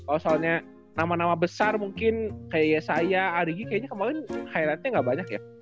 oh soalnya nama nama besar mungkin kayak saya arigi kayaknya kemarin highlightnya gak banyak ya